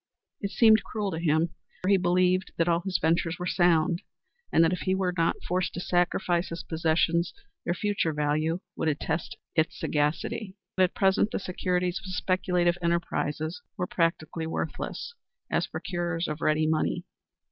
It seemed cruel to him, for he believed that all his ventures were sound, and that if he were not forced to sacrifice his possessions, their future value would attest his sagacity. But at present the securities of speculative enterprises were practically worthless as procurers of ready money.